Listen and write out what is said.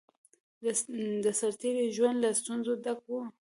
د سرتېری ژوند له ستونزو ډک وو